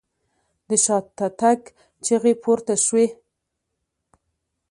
د شاته تګ چيغې پورته شوې.